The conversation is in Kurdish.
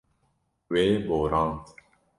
Wê borand.